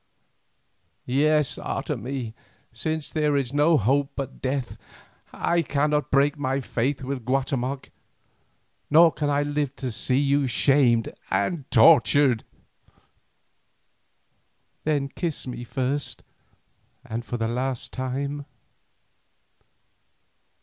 "Yes, Otomie, since there is no hope but death. I cannot break my faith with Guatemoc, nor can I live to see you shamed and tortured." "Then kiss me first and for the last time."